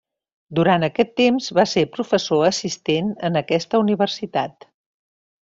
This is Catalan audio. Durant aquest temps va ser professor assistent en aquesta universitat.